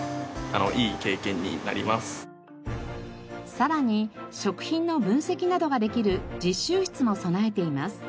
さらに食品の分析などができる実習室も備えています。